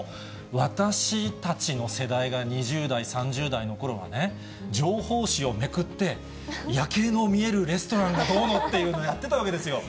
私たちの世代が２０代、３０代のころはね、情報誌をめくって、夜景の見えるレストランがどうのっていうのをやってたわけですよ。